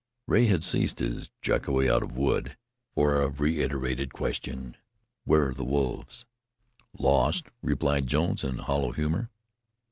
Rea had ceased his "Jackoway out of wood," for a reiterated question: "Where are the wolves?" "Lost," replied Jones in hollow humor.